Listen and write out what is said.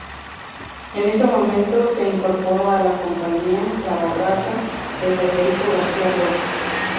En ese momento se incorpora a la compañía "La Barraca", de Federico García Lorca.